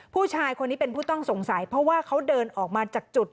ผู้ชายคนนี้เป็นผู้ต้องสงสัยเพราะว่าเขาเดินออกมาจากจุด